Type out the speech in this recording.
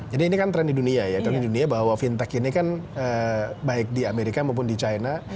jadi ini kan tren di dunia ya tren di dunia bahwa fintech ini kan baik di amerika maupun di china